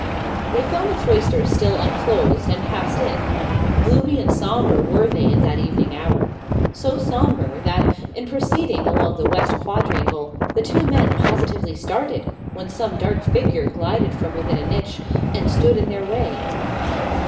They found the cloisters still unclosed, and passed in. Gloomy and sombre were they at that evening hour. So sombre that, in proceeding along the west quadrangle, the two young men positively started, when some dark figure glided from within a niche, and stood in their way.